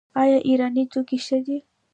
آیا ایراني توکي ښه دي؟